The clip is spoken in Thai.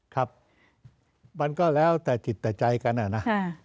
ครับมันก็แล้วแต่จิตแต่ใจกันอะนะ